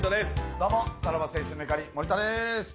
どうもさらば青春の光、森田です。